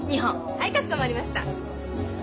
はいかしこまりました。